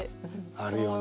あるよね